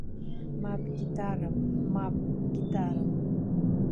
Мап, гитарам, мап, гитарам.